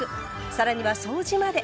更には掃除まで。